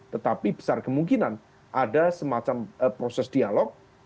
tetapi besar kemungkinan ada semacam proses dialog